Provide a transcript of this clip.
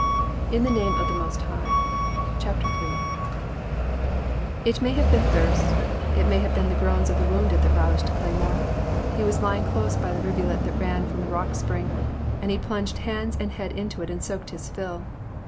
they cried, and staggered on toward the north. III. IT may have been thirst, it may have been the groans of the wounded that roused Cle3nnore. He was lying close by the rivulet that ran from the rock spring, and he plunged hands and head into it and soaked his fill.